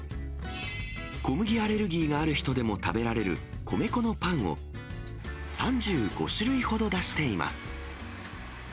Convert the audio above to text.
小麦アレルギーがある人でも食べられる米粉のパンを、３５種類ほど出しています。